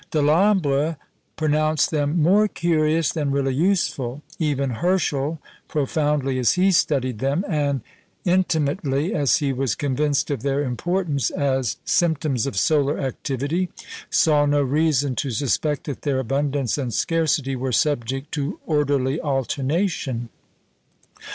Delambre pronounced them "more curious than really useful." Even Herschel, profoundly as he studied them, and intimately as he was convinced of their importance as symptoms of solar activity, saw no reason to suspect that their abundance and scarcity were subject to orderly alternation.